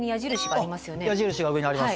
あっ矢印が上にあります。